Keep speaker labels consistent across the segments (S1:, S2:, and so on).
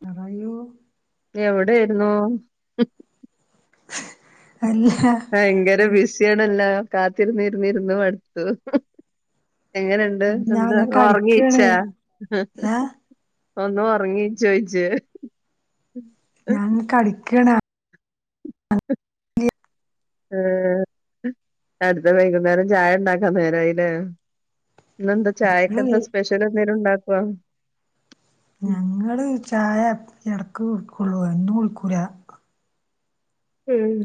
S1: പറയു
S2: എവിടെയാരുന്നു?
S1: [unintelligible]
S2: ആഭയങ്കര ബിസിയണല്ല. കാത്തിരുന്നിരുന്നിരുന്നു മടുത്തു. എങ്ങനുണ്ട്. എന്ത്
S1: ഞങ്ങ
S2: ഒറങ്ങിയിച്ച.
S1: കളിക്കാണ് ഏ
S2: ഒന്ന് ഒറങ്ങി ചോയിച്ച്
S1: ഞാൻ കളിക്കണ്.
S2: ആ അടുത്ത വൈകുന്നേരം ചായ ഉണ്ടാക്കാം നേരം ആയി ല്ലേ. ഇന്ന് എന്താ
S1: ഞങ്ങള്
S2: ചായക്കെന്താ സ്പെഷ്യൽ എന്തേലും ഉണ്ടാക്കുവോ?
S1: ഞങ്ങള് ചായ ഇടക്ക് കുടിക്കുള്ളൂ. എന്നും കുടിക്കൂല.
S2: ഉം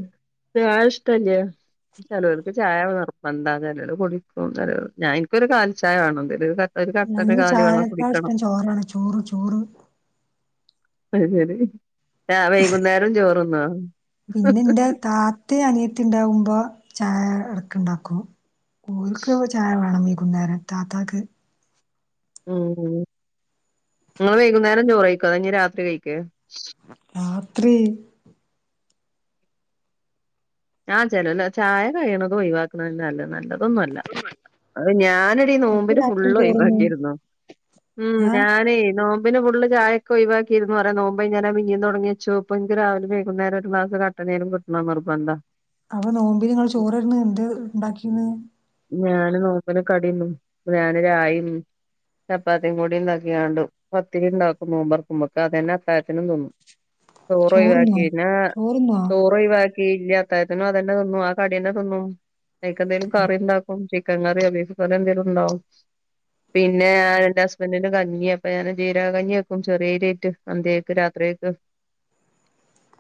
S2: ചായ ഇഷ്ടംല്ല്യ. ചിലോർക്ക് ചായ വെറുപ്പാണ്ടാ ചിലര് കുടിക്കും. ചെ, ഞാനിക്കൊരു കാൽ ചായ വേണം. ന്തേലും
S1: ഞങ്ങക്ക് ചായക്കാ ഇഷ്ടം ചോറാണ്, ചോറ്, ചോറ്.
S2: അത് ശരി. ആ വൈകുന്നേരം ചോറുണ്ണുവോ?
S1: പിന്നെ എന്റെ താത്തയും അനിയത്തി ഇണ്ടാവുമ്പോ ചായ എടക്ക് ഇണ്ടാക്കും. ഓര്ക്ക് ചായ വേണം വൈകുന്നേരം താത്തക്ക്
S2: ഉം നിങ്ങള് വൈകുന്നേരം ചോറ് കഴിക്കുവോ? അതോ ഇനി രാത്രി കഴിക്കോ?
S1: രാത്രി.
S2: ആ ചിലല്ലോ ചായ കഴിയണതും ഒഴിവാക്കണന്നല്ലേ നല്ലത്. അതൊന്നുഅല്ല അത് ഞാനിടെ
S1: ഇങ്ങക്ക്
S2: നോമ്പിന്
S1: രാത്രി
S2: ഫുള്ള്
S1: ചോറുണ്ണോ
S2: ഒഴിവാക്കിയിരുന്നു. ഉം
S1: ഏ
S2: ഞാനേ നോ പിന്നെ ഉളളിൽ ചായൊക്കെ ഒഴിവാക്കിയിന്ന്. പറയാ നോമ്പ് ഞാന് പിന്നീം തുടങ്ങിച്ചു. അപ്പോ എനിക്കി രാവിലെ വൈകുന്നേര ഒരു ഗ്ലാസ് കട്ടൻ നേരം കിട്ടണ നിർബന്ധാ.
S1: അപ്പം നോമ്പിന് നിങ്ങള് ചോറ് ഏടന്ന് എന്ത് ഉണ്ടാക്കിന്ന്.
S2: ഞാന് നോമ്പന് കടേന്ന് ഞാന് രായി ചപ്പാത്തിയും കൂടി ഉണ്ടാക്കിയാണ്ട്, പത്തിരി ഉണ്ടാക്കും, മൂപ്പർക്ക്, മ്മക്ക് അതന്നെ അത്താഴത്തിനും തിന്നും.
S1: [inaudible]
S2: ചോറ് ഒഴിവാക്കി
S1: ചോറുന്നോ
S2: പിന്നാ
S1: ചോറുന്നോ
S2: ചോറ് ഒഴിവാ ല്ല അത്തായത്തിനും, അത് തന്നെ തിന്നും ആ കടി തന്നെ തിന്നും. അനിക്കെന്തേലും കറി ഉണ്ടാക്കും. കങ്ങറി ബീഫ്‌കറി എന്തെലും ഉണ്ടാവും. പിന്നെ എന്റെ ഹസ്ബന്റിന്റെ കഞ്ഞി അപ്പ ഞാന് ജീരാ കഞ്ഞി വക്കും. ചെറിയ ഡേറ്റ് അന്ത്യേക്ക് രാത്രിയേക്ക്.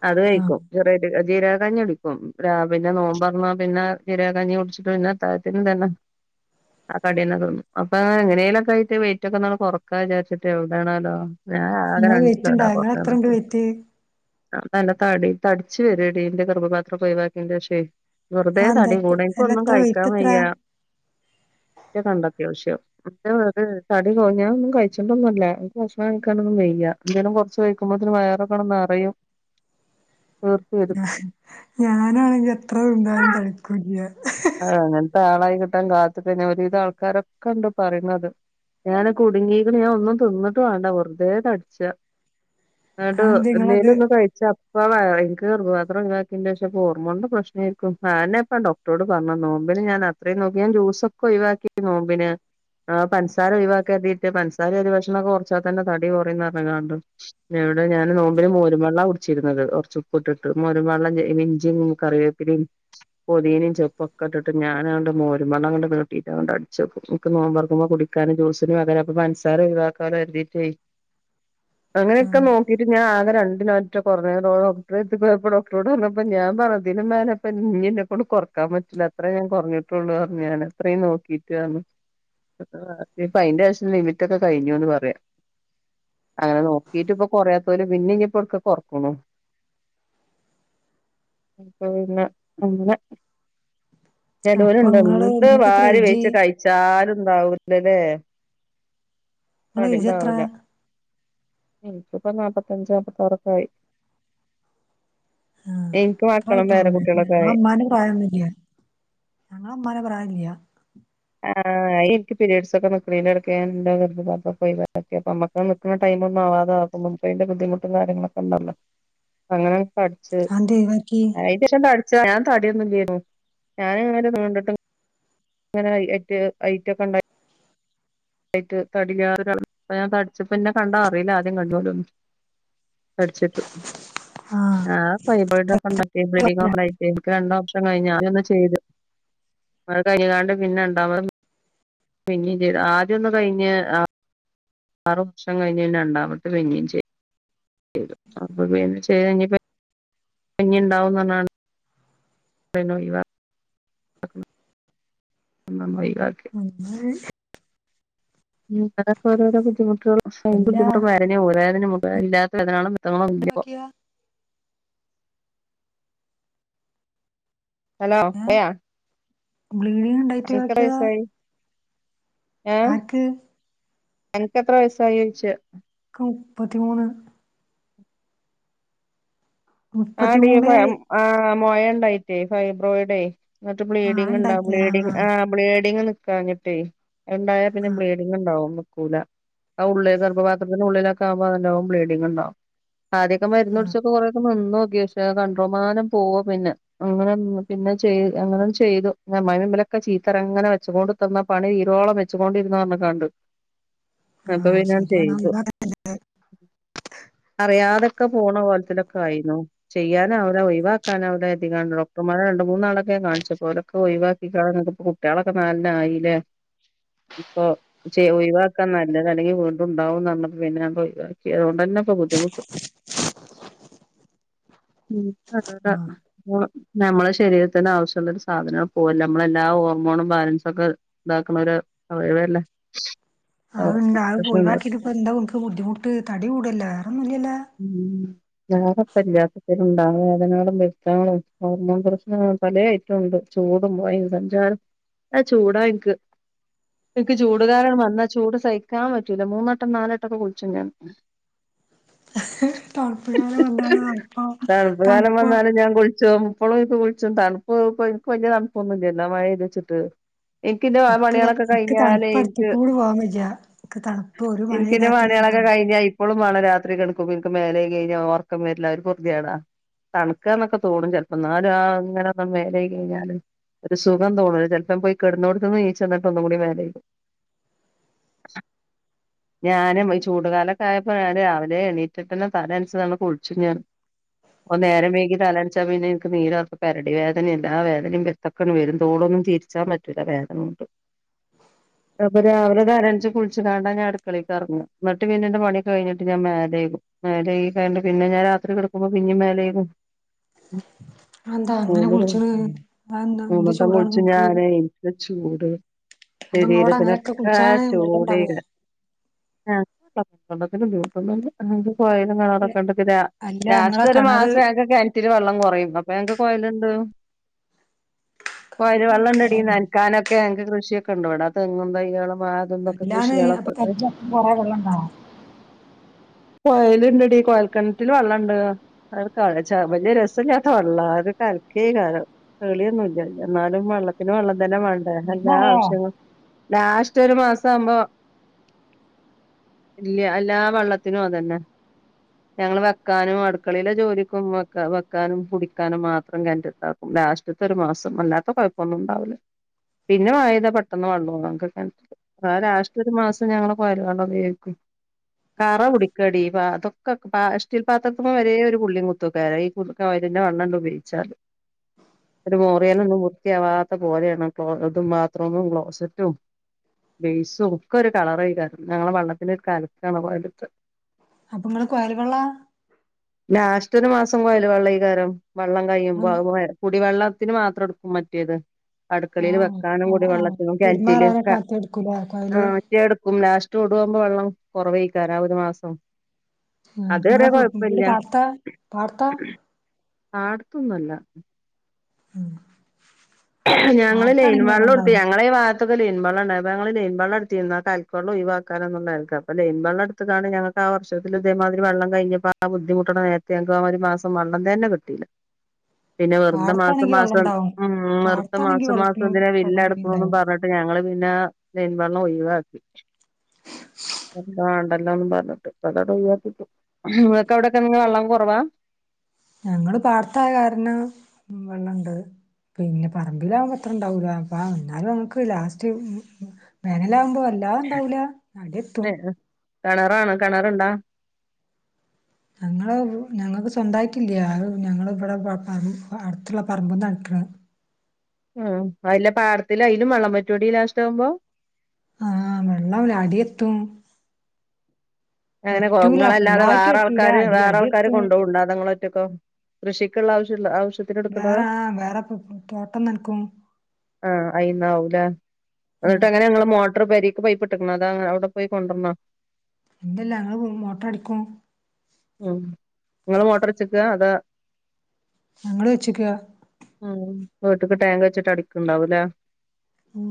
S2: അത്
S1: ആ
S2: കഴിക്കും. [unintelligible] ജീരക കഞ്ഞുടി ഉം രാവില നോമ്പറന്നാ പിന്ന ജീരക കഞ്ഞി കുടിച്ച്ട്ട് പിന്നത്താഴത്തിന് [unintelligible] അകടിയെന്നത്ന് അപ്പാ എങ്ങനേലൊക്കായ്ട്ട് വെയ്റ്റൊക്കൊന്നാ കൊറക്കാ ചാരിച്ചിട്ട് എവിടാണാലോ ഞാനാക
S1: നിങ്ങള്
S2: രണ്ട്
S1: വെയിറ്റ്ണ്ടാ
S2: [unintelligible]
S1: നിങ്ങള് എത്രണ്ട്
S2: പൊറത്തന്ന്‌ട്ട്
S1: വെയിറ്റ്
S2: [unintelligible] തടി തട്ച്ച് വരാടി ന്റെ ഗർഭപാത്രൊക്കൊഴിവാക്കിയേനേഷേ. വെറുതേ
S1: ആ എന്താ
S2: തടി
S1: എത്ര-
S2: കൂടെൻ
S1: അല്ല
S2: പ്പൊന്നും
S1: എത്ര വെയിറ്റ്
S2: കഴിക്കാം
S1: എത്ര
S2: വയ്യ [unintelligible] ത്യാവശ്യം [unintelligible] തടി [unintelligible] ഞാനൊന്നും കഴിച്ച്ട്ടൊന്നു അല്ല എനിക്ക് ഭക്ഷണം കഴിക്കാനൊന്നും വയ്യ [unintelligible] കൊർച്ച് കഴിക്കുമ്പൾത്തിനും വയറൊക്കാട് നറയും
S1: ഉ [inaudible]
S2: [unintelligible]
S1: ഞാനാണെങ്കെ എത്ര തിന്നാലും തടിക്കൊല്ല്യ.
S2: ആ അങ്ങൻത ആളായി കിട്ടാൻ കാത്ത്ക [unintelligible] ഒരിതാൾ ക്കാരൊക്കണ്ട് പറീണത്. ഞാന് കുടുങ്ങീക്ക്ണ് ഞാ ഒന്നു ത്‌ന്ന്ട്ട് വാണ്ട വെർതേ തട്ച്ച. അടോ
S1: അതെന്ത നിങ്ങളത്
S2: എന്നേലൊന്ന് കഴിച്ച [unintelligible] എനിക്ക് ഗർഭപാത്രം ങ്ങനാക്കിയേന്റേഷം ഹോർമോൺന്റെ പ്രശ്നായിരിക്കും [unintelligible] [unintelligible] പറഞ്ഞ് നോമ്പിന് ഞാനത്രയും നോക്കി ഞാൻ ജൂസൊക്കൊഴിവാക്കിക്ക് നോമ്പിന് ആ പൻസാര [unintelligible] പൻസാരെ അരി ഭക്ഷണൊക്കെ കൊർച്ചാ തന്നെ തടി കൊറയും ന്നർഞ്ഞ്ങ്ങാണ്ട് എടൊ, ഞാന് നോമ്പിന് മോരുംവെള്ളാ കുടിച്ചിരുന്നത്. കൊർച്ചുപ്പുട്ട്ട്ട്. മോരും വെള്ളം [unintelligible] ഇഞ്ചിം, കറിവേപ്പിലേം പൊതീനെം [unintelligible] പ്പൊക്കട്ട്‌ട്ട് ഞാനാണ്ട് മോരും വെള്ളം അങ്ങട്ട് നീട്ടിറ്റങ്ങട്ട് അട്‌ച്ചക്കും ൻക്ക് നോമ്പൊർക്കുമ്പ കുടിക്കാന് ജൂസ്ന് അതെ [unintelligible] അപ്പ പൻസാര ഒഴിവാക്കാലോ [unintelligible]
S1: ആ
S2: അങ്ങനെയൊക്കെ നോക്കിറ്റും ഞാ ആകെ രണ്ടിലോ എറ്റാ കൊർഞ്ഞ [unintelligible] ഡോക്ടറെട്ത്ത് പോയപ്പം ഡോക്ടറോഡ് പറഞ്ഞപ്പം ഞാമ്പറതി [unintelligible] മേലെപ്പൻ ങ്ങി ന്ന കൊണ്ട് കൊർ ക്കാമ്പറ്റില്ലത്രയും ഞാൻ കൊറഞ്ഞ്ട്ടുള്ളു [unintelligible] ഞാനത്രയ് നോക്കിറ്റു ആണ് [inaudible] നിപ്പയിന്റേശം ലിമിറ്റൊക്ക കയിഞ്ഞൂന്ന് പറയ. അഅ് നോക്കീട്ട് പ്പ കൊറയാത്തോല് പിന്നങ്ങി പ്പട്ക്ക് കൊർക്കുണു അത്പ്പൊ പിന്നെ അങ്ങിന
S1: അപ്പൊ
S2: ചെലോര്ണ്ട്
S1: നിങ്ങള്
S2: ന്ത്
S1: നിങ്ങക്ക് എത്ര
S2: വാരി
S1: ഏജ്
S2: വയ്ച്ച് കയിച്ചാലും ന്താ [unintelligible] ലെ ലെ
S1: ങ്ങളെ എയ്ജെത്രാ?
S2: എന്നിക്കിപ്പം നാപ്പത്തഞ്ച് നാപ്പത്താറൊക്കായി.
S1: ആ ത്രായിട്ടോള്ളൂല്ലെ. [unintelligible]
S2: ആയി
S1: ങ്ങളമ്മാന്റെ പ്രായൊന്നുല്ല്യ. ഞങ്ങളുമ്മാനെ പ്രായല്ല്യ
S2: ആ ഇനിക്ക് പിരീഡ്സൊക്ക നിക്ക്ണെയ്നെടക്ക് ഞാൻ ന്റെ ഗർഭപാത്രൊക്കെ ഒയിവാക്കിയപ്പം അമ്മക്കനിക്ക്ണ ടൈമൊന്നാ [unintelligible] മുൻപൈന്റെ ബുദ്ധിമുട്ടും കാര്യങ്ങളൊക്കണ്ടല്ലോ. അങ്ങനെ പട്ച്ച്.
S1: അതെന്തേ ഒഴിവാക്കി
S2: അയിന്റേശം [unintelligible] ച്ച ഞാന്തടിയൊന്നുല്ല്യാരുന്നു. ഞാനിങ്ങന നീണ്ട്ട്ട് ങ്ങനാ [unintelligible] ഐറ്റൊക്കണ്ടായ് ആട്ട് തട ഞാൻ തടിച്ചപ്പ പിന്നെ കണ്ടാ അറിയില്ല ആദ്യം കഴിഞ്ഞലും ഒന്നും പഠിച്ച്ട്ട് ആ [unintelligible] ക്ക് രണ്ടോപ്ഷൻ കഴിഞ്ഞോ? ങ്ങി ന്താ ചെയ്ത്? അഅ് കയിഞ്ഞ് കാണ്ട് പിന്ന രണ്ടാമതും പിന്നേം ചെയ്ത് ആദ്യൊന്ന് കയിഞ്ഞ് ആ ആറു ഷം കഴിഞ്ഞ് പിന്ന രണ്ടാമത്ത പിന്നേം ചെയ് [inaudible] അപ്പ പിന്ന ചെയ്തഞ്ഞിപ്പ എഞ്ഞിണ്ടാഉന്നർഞ്ഞാണ്. പിന്നൊയിവാ അ നന്നായി
S1: അം [unintelligible]
S2: ഉം. അതൊക്കെ ഓരോരോ ബുദ്ധിമുട്ടുകള്. ക്ഷെ ഈ
S1: അല്ല
S2: ബുദ്ധിമുട്ടും വയറിന്റെം ഊര വേദനെം [unintelligible] ഇല്ലാത്ത [inaudible] [unintelligible]
S1: ഒഴിവാക്കിയ
S2: ഹലോ പോയാ
S1: ബ്ലീഡിംഗ്
S2: അനക്ക്
S1: ണ്ടായിറ്റൊയിവാക്ക്യ
S2: എത്ര
S1: താ.
S2: വയസായി ഏഹ്
S1: ആർക്ക്
S2: അനക്ക് എത്ര വയസായിച്ചയാ
S1: മുപ്പത്തി മൂന്ന്
S2: ആ ഡീ
S1: മുപ്പത്തിമൂന്നേ
S2: ആ മോയ ഉണ്ടായിട്ടേ ഫൈബോയിടെ എന്നിട്ട്
S1: ആ അത്
S2: ബ്ലീഡിംങ് ഉണ്ടാകും
S1: ഇണ്ടാക്കിയ
S2: ബ്ലീഡിംങ്ങ് ആ ബ്ലീഡിംങ് നി ക്കാഞ്ഞിട്ടേ ഉണ്ടായ പിന്നെ
S1: ആഹ്
S2: ബ്ലിഡിംങ് ഉണ്ടാവും ല ആ ഉള്ളി ഗർഭപാത്രത്തിൻ്റെ ഉള്ളിലൊക്കെ ആകുമ്പോ അതുണ്ടാകും ബ്ലീഡിംങ് ഉണ്ടാകും ആദ്യക്കെ മരുന്ന്
S1: ആഹ്
S2: കുടിച്ചൊക്കെ കൊറെക്കെ നിന്നു അത്യാവശ്യം കണ്ട്രോമാനം പോവ പിന്നെ അങ്ങനെ പിന്നെ ചെയ് അങ്ങനെ ചെയ്തു ഒക്കെ ചീത്തരങ്ങനെ വെച്ചുകൊണ്ടി തന്ന പണി തീരോളം വെച്ചുകൊണ്ടിരുന്ന കാരണം കണ്ട് അപ്പൊ
S1: ആഹ്
S2: പിന്നെ ഞാൻ
S1: ശരിയാണ്
S2: ചെയ്തു അറിയാത ഒക്കെ പോണ കോലത്തിലൊക്കെ ആയിരുന്നു ചെയ്യാൻ അവടെ ഒഴിവാക്കാൻ അവടെ കാണ ഡോക്ടർമാരെ രണ്ട് മൂന്നാളൊക്ക കാണിച്ചു അപ്പോ ഓലൊക്കെ ഒഴിവാക്കി കളഞ്ഞ് കുട്ടികളൊക്കെ നാലെണ്ണം ആയില്ലേ ഇപ്പൊ ചെ ഒഴിവാക്കാൻ നല്ലത് അല്ലെങ്കിൽ വീണ്ടും ഉണ്ടാവുന്ന് പറഞ്ഞപ്പോ പിന്നെ ഞാൻ പോയി ഒഴിവാക്കി അതുകൊണ്ട് [unintelligible] ബുദ്ധിമുട്ട്
S1: [unintelligible]
S2: ഉം ആ
S1: ആഹ്
S2: നമ്മള ശരീരത്തിന് ആവശ്യമുള്ളൊരു സാധനം പോവല്ലേ നമ്മളെല്ലാ ആ ഹോർമോണും ബാലൻസും ഒക്കെ ഇതാക്കണ വരെ ഒഴിവക്കല്ലെ
S1: അത് ഇണ്ട് അത് ഇപ്പ ഒഴിവാക്കിയിട്ട് ഇപ്പ എന്താ ഉൻക്ക് ബുദ്ധിമുട്ട് തടി കൂടുവല്ലെ
S2: ഉം വേറെ ഇപ്പ ഇല്ലാ ഉണ്ട വേദനകളും പ്രശ്നങ്ങളും ഹോർമോൺ പ്രശ്നങ്ങൾ പലേ ആയിട്ട് ഉണ്ട് ചൂടും മഴയും സഞ്ചാരം നല്ല ചൂടാ എനിക്ക് എനിക്ക് ചൂടുകാലം വന്നാ ചൂട് സഹിക്കാൻ പറ്റൂല മൂന്നുവട്ടം നാലുവട്ടക്കെ കുളിച്ചു ഞാൻ
S1: തണുപ്പ്കാലം വന്നാണ് തണുപ്പോ
S2: തണുപ്പ് കാലം
S1: തണുപ്പോ
S2: വന്നാലും ഞാൻ കുളിച്ചും ഇപ്പോളും ഇത് വിളിച്ചും തണുപ്പ് ഇപ്പ എനിക്ക് വലിയ തണുപ്പ് ഒന്നില്ലായിയിരുന്നു ആ മഴയടിച്ചിട്ട് എനിക്കെന്റെ
S1: ഇക്ക്
S2: പണികളൊക്കെ
S1: ഇക്ക്
S2: കഴിഞ്ഞാല്
S1: തണുപ്പ്
S2: എനിക്ക്
S1: അടുത്ത്ക്കൂടി പോവാൻ വജ്ജ ഇക്ക് തണുപ്പ് ഒരു
S2: എനിക്കെൻ്റെ
S1: മഴെയ്താ തന്നെ
S2: പണികള ക്കെ
S1: തണു
S2: കഴിഞ്ഞാൽ ഇപ്പോളും വേണം രാത്രി കിടക്കുമ്പോ എനിക്ക് മേല് കഴുകി കഴിഞ്ഞ ഉറക്കം വരില്ല ഒരു പൊറുതികേട തണുക്കന്നൊക്കെ തോന്നും ചിലപ്പോ എന്നാലും ആ ഇങ്ങനെ ഒക്കെ നേരയായി കഴിഞ്ഞാല് ഒരു സുഖം തോന്നുല ചിലപ്പം പോയി കിടന്നോടത്തുന്ന് എഴിച്ച് വന്നിട്ട് ഒന്നൂടി മേല് കഴുകും ഞാനും ഈ ചൂടുകാലൊക്കെ ആയപ്പോഴാണ് ദേ എണീറ്റെട്ടന്ന തല നനച്ച് ദാ കുളിച്ചു ഞാൻ അപ്പം നേരം വൈകി തല നനച്ചാ പിന്നെ എനിക്ക് നീരിറക്കം പെരടി വേദനയും എല്ലാ വേദനയും എന്തക്ക നെടും തോളും തിരിച്ചാൻ പറ്റൂല്ല വേദന കൊണ്ട് അപ്പൊ രാവിലെ തല നനച്ച് കുളിച്ച് കാണ്ടാ ഞാൻ അടുക്കളക്ക് ഇറങ്ങ എന്നിട്ട് പിന്നെ എൻ്റെ പണിയൊക്കെ കഴിഞ്ഞിട്ട് ഞാൻ മേലൈകും മേല് കഴുകി കണ്ട് പിന്നെ ഞാൻ രാത്രി കിടക്കുമ്പോ പിന്നെയും മേല് കഴുകും
S1: അതെന്താ അങ്ങനെ കുളിച്ച്ണ്
S2: [unintelligible]
S1: അതെന്താ എന്ത്
S2: മൂന്നുവട്ടം
S1: ചൂടാണ്
S2: കുളിച്ച്
S1: ഇങ്ങക്ക്
S2: ഞാനെ എന്ത് ചൂടെ
S1: അപ്പൊ ഇങ്ങളോടെ അങ്ങനെയൊക്കെ
S2: ശരീരത്തിനൊക്ക ആ
S1: കുളിച്ചാൻ വെള്ളം
S2: ചൂടെ
S1: ഇണ്ടാവോ
S2: ഇല്ല ആ [unintelligible] പോയാലും കാണാന് കണ്ടെത്തില്ല
S1: അല്ല ഇങ്ങളെ
S2: ലാസ്റ്റ് ഒരു
S1: കെണറ്
S2: മാസം ഒക്കെ ഇത്തിരി വെള്ളം കുറയും അപ്പൊ ഞങ്ങൾക്ക് കൊഴലുണ്ട് പുഴയില്
S1: കറന്റ്
S2: വള്ളം ഉണ്ടെടി
S1: പോയിക്ക്ണോ
S2: നനക്കാനൊക്കെ ഞങ്ങക്ക് കൃഷി ഉണ്ടിവിടെ തെങ്ങും തൈകളും
S1: അല്ലാന്ന് അപ്പൊ [unintelligible] കൊറെ വെള്ളണ്ട
S2: കൊഴല് ഇണ്ടെടി കൊഴൽക്കിണറ്റിൽ വെള്ളം ഉണ്ട് അത് വലിയ രസമില്ലാത്ത വെള്ളം അത് ക കാലം തെളിയൊന്നുല്ല എന്നാലും വെള്ളത്തിന് വെള്ളം തന്നെ വേ അ അല്ലാ
S1: നന്നായോ
S2: ആവശ്യങ്ങളും ഡാഷ് റ്റൊരു മാസം ആവുമ്പോ ഇല്യാ ല്ലാ വള്ളത്തിനും അതന്നെ ഞങ്ങൾ വെക്കാനും അട്ക്കളീലെ ജോലിക്കും വെക്ക വെക്കാനും കുടിക്കാനും മാത്രം കെൺറ്റ്ത്താക്കും ലാസ്റ്റ്ത്തെ ഒര് മാസം അല്ലാത്ത കാെഴപ്പൊന്നും ണ്ടാവൂല പിന്നെ മയെയ്താ പെട്ടെന്ന് വള്ളം ആവും നമ്ക്ക് കെൺറ്റില് ആ ലാഷ്റ്റൊര് മാസം ഞങ്ങള് കോയൽ വള്ളം ഉപയോഗിക്കും കറ കുടിക്കടീ പാ തൊക്കെ പാ സ്റ്റീൽ പാത്രത്ത്മ്മെ വരേ ഒര് പുള്ളിം കുത്താെക്കെയ്രാ ഈ പു ക കൊയല്ന്റെ വള്ളാണ്ട് ഉപയോഗിച്ചാല് ഒര് മോറ്യേനൊന്നും വൃത്ത്യാവാത്ത പോലേണ് ക്ലോ തും ബാത്റൂമും ക്ലോസറ്റും ബേസും ഒക്കൊര് കളറായ്കാരം ഞങ്ങളെ വള്ളത്തിനൊര് കൽക്കാണ് കൊയല്ത്തെ
S1: അപ്പൊ ങ്ങളെ കാെയൽ വെള്ളാ
S2: ലാസ്റ്റാെര് മാസം കൊയല് വള്ളയ്കാരം വള്ളം കയ്യുമ്പോ അത് കുടിവള്ളം ത്തിന് മാത്രം ട്ക്കും മറ്റേത്
S1: ആ
S2: അട്ക്കളീൽ വെക്കാനും
S1: ആ
S2: കുടി
S1: ആ
S2: വള്ളത്തിനൂടി
S1: പെരുമാറാനൊക്കെ
S2: ആയ്റ്റില്ലിക്കെ
S1: മറ്റെടുക്കൂലേ
S2: ആ
S1: കൊയല്
S2: മറ്റേട് ക്കും ലാസ്റ്റ് ഒടു ആവ്മ്പം വെള്ളം കാെറവെയ്ക്കാരം ആ ഒര് മാസം
S1: ആ
S2: അത് വരെ
S1: നിങ്ങളെ വീട്
S2: കൊഴപ്പല്ല്യ
S1: പാടത്താ പാടത്താ
S2: ആട് ത്താെന്നു അല്ല
S1: ഉം
S2: ഞങ്ങളനേൻ
S1: പാടത്താണെങ്കി വെള്ളം
S2: വള്ളുംട്ത്ത്
S1: ഉണ്ടാവും
S2: ഞങ്ങളെ ഈ വാ ത്തൊക്കെ ലെയ്ൻ വള്ളണ്ടായ് അപ്പ ഞങ്ങള് ലെയ്ൻ വള്ളട്ത്തീര്ന്നെ ആ കൽക്ക് വള്ളൊയ് വാക്കാനാന്നുള്ളെൽക്ക് അപ്പ ലെയ്ൻ വള്ളട്ത്ത്ക്കാണ്ട് ഞങ്ങക്ക ല്ലാ വർഷത്തിൽ ഇതേമാതിരി വള്ളം കയ്ഞ്ഞ്പ്പാ ആ ബുദ്ധിമുട്ട്ണ നേരത്ത് ഞങ്ങക്ക് ആ ഒര് മാസം വള്ളം തന്നെ കിട്ടീല്ല
S1: [unintelligible]
S2: പിന്നെ വെർതെ മാസം
S1: പാടത്താണെങ്കി വെള്ളം
S2: മാസം
S1: ഉണ്ടാവും
S2: ഉം വെ ർതെ
S1: പാടത്താണെങ്കി
S2: മാസം മാസം
S1: വെള്ളത്തിന്
S2: എന്തിനാ
S1: വെള്ളം പിന്നെ
S2: ബില്ലടക്ക്ണൂന്നും
S1: ഇണ്ടാവും
S2: പറഞ്ഞ്ട്ട് ഞങ്ങള് പിന്നാ ലെയ്ൻ വള്ളം ഒയ് വാക്കി [unintelligible] വാണ്ടല്ലോന്നും പർഞ്ഞ്ട്ട് അതാണ്ട് ഒയ് വാക്കിട്ടു ഇങ്ങക്ക് അവ്ടെക്കെങ്ങ വള്ളം കാെറവാ
S1: ഞങ്ങള് പാടത്തായ കാരണം വെള്ളണ്ട് പിന്നെ പറമ്പിലാവുമ്പാെ അത്രണ്ടാവൂല പ്പ ന്നാലും ഞങ്ങക്ക് ലാസ്റ്റ് വേനലാവുമ്പോ അല്ലാതണ്ടാവൂല അട്യെത്തും
S2: കെണറാണ് കെണറ്ണ്ടാ
S1: ഞങ്ങള് ഞങ്ങക്ക് സ്വന്തായിട്ടില്ല്യാ അത് ഞങ്ങള്ബടെ പ പ പർ അട്ത്ത്ള്ള പർമ്പ്ന്നടി ബ്ര
S2: ആ അതിലെ പാടത്തിലെ അയ്ലും വള്ളം വറ്റോടി ലാസ്റ്റാവുമ്പോ
S1: ആഹ് വെള്ളം ല അട്യെത്തും
S2: അങ്ങനെ കൊ ങ്ങളല്ലാതെ
S1: ഫുള്ളായിട്ട് വറ്റൂല
S2: വേറാൾക്കാര്
S1: അടി
S2: വേറാൾക്കാര്
S1: അടിയെത്തും
S2: കൊണ്ടോക്ണ്ടോ അതൊ ങ്ങളൊ റ്റക്കോ കൃഷിക്ക്ള്ള ആവ്ശ്യള്ള ആവ്ശ്യ
S1: വേറെ ആ വേറെ തോട്ടം നൻക്കും
S2: ആ അയ്ന്നാവുലെ
S1: ആ
S2: ന്ന്ട്ട് എങ്ങനെ ങ്ങള് മോട്ട്റ് പെരീ ക്ക് പയ്പ്പ്ട്ട്ക്ക്‌ണാ അതാ അവ്ടെ പോയി കൊണ്ടാെർണാെ
S1: ഇല്ലല്ല ഞങ്ങള് മോട്ട്റടിക്കും
S2: ഉം ഇങ്ങള് മോട്ട്റെച്ച്ക്കാ അതാ
S1: ഞങ്ങള് വെച്ച്ക്കാ
S2: ഉം വീട്ട്ക്ക് ടേങ്ക് വെച്ച്ട്ട് അടിക്ക്ണ്ടാവുലേ
S1: ഓ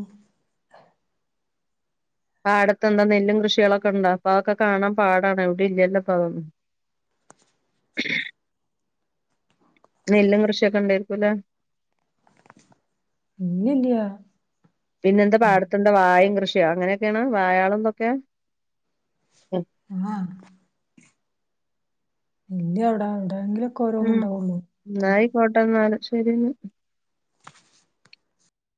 S2: പാടത്തെന്താ നെല്ലും കൃഷികളൊക്കെണ്ടാ പ്പ അ ഒക്കെ കാണാം പാടാണ് എവ്ടിംല്ല്യല്ലാെപ്പതൊന്നും
S1: [unintelligible]
S2: [unintelligible] നെല്ലും കൃഷ്യാെക്കെണ്ടേയ്രിക്കുലേ
S1: ഇല്ല്യല്ല്യാ
S2: പിന്നെന്താ പാട്ത്തെന്താ വായിം കൃഷിയാ അങ്ങനെയെക്കെണാ വായാളും തൊക്കെ
S1: ആ [unintelligible]
S2: ഉം
S1: ഓരോന്നുണ്ടാവുള്ളൂ
S2: എന്നായി കോട്ടന്നല് ശെരിന്ന